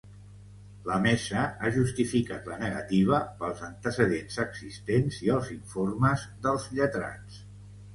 La mesa ha justificat la negativa pels “antecedents existents i els informes dels lletrats”.